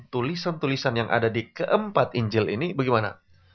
tulisan tulisan yang ada di keempat injil ini bagaimana